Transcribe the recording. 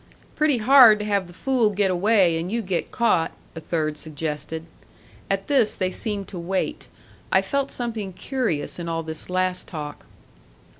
"Pretty hard to have the fool get away and you get caught," a third suggested. At this they seemed to wait. I felt something curious in all this last talk.